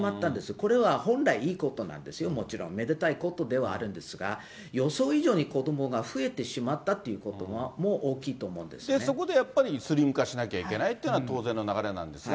これは本来いいことなんですよ、もちろん、めでたいことではあるんですが、予想以上に子どもが増えてしまったということも大きいと思うんでそこでやっぱり、スリム化しなきゃいけないっていうのは当然の流れなんですが。